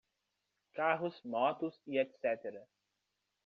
Carros, Motos e etc.